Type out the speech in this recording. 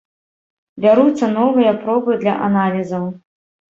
Бяруцца новыя пробы для аналізаў.